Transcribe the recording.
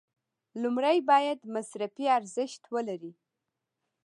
لومړی باید مصرفي ارزښت ولري.